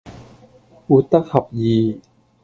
活得合意